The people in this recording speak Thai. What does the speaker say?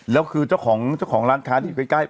แล้วคือเจ้าของร้านค้าที่อยู่ใกล้